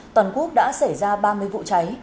toàn quốc đã xảy ra ba mươi vụ cháy